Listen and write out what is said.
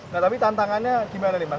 nah tapi tantangannya gimana nih mas